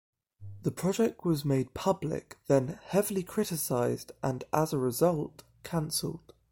The project was made public then, heavily criticized and, as a result, cancelled.